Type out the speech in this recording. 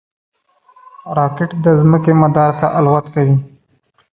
راکټ د ځمکې مدار ته الوت کوي